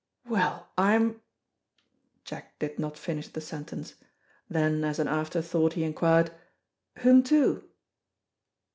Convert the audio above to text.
"Well, I'm " Jack did not finish the sentence. Then as an after thought he inquired: "Whom to?"